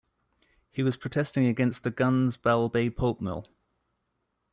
He was protesting against the Gunns' Bell Bay Pulp Mill.